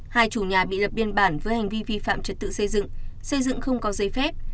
hai chủ nhà bị lập biên bản với hành vi vi phạm trật tự xây dựng xây dựng không có giấy phép